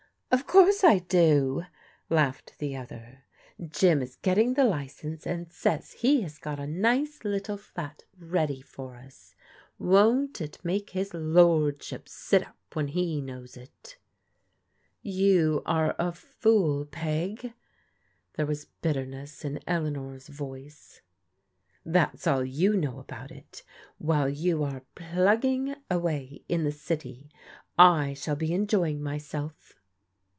Of course I do," laughed the other. " Jim is getting the license, and says he has got a nice little flat ready for us. Won't it make his lordship sit up when he knows it?" *' You are a fool, Peg." There was bitterness in Elea nor's voice. " That's all you know about it. While you are * plug ging ' away in the city, I shall be enjoying myself."